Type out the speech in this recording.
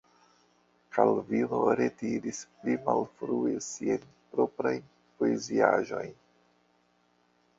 Kalvino retiris pli malfrue siajn proprajn poeziaĵojn.